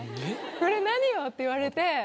「これ何よ？」って言われて。